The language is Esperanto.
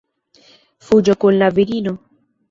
Fuĝo kun la virino.